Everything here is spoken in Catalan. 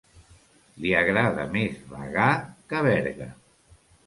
Li agrada més Bagà que Berga.